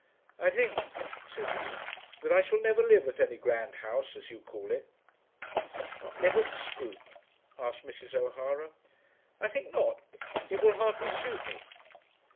"I think," said he, "that I shall never live at any grand house, as you call it." "Not live at Scroope?" asked Mrs. O'Hara. "I think not. It will hardly suit me."